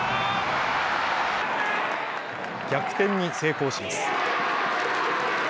逆転に成功します。